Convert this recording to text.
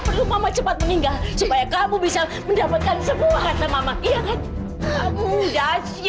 perlu mama cepat meninggal supaya kamu bisa mendapatkan sebuah hana mama iya kan mudah